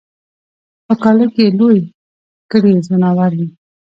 په کاله کی یې لوی کړي ځناور وي